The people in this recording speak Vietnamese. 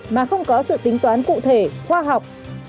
mà không có sự tính toán cụ thể khoa học